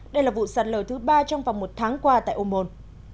đây là vụ sạt lở thứ ba trong vòng một tháng qua tại ô môn